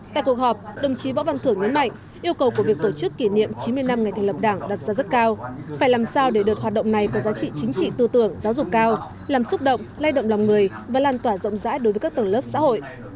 tại cuộc họp đồng chí võ văn thưởng nhấn mạnh yêu cầu của việc tổ chức kỷ niệm chín mươi năm ngày thành lập đảng đặt ra rất cao phải làm sao để đợt hoạt động này có giá trị chính trị tư tưởng giáo dục cao làm xúc động lay động lòng người và lan tỏa rộng rãi đối với các tầng lớp xã hội